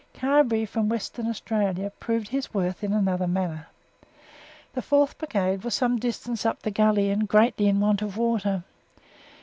Carberry from Western Australia proved his worth in another manner. The 4th Brigade were some distance up the gully and greatly in want of water.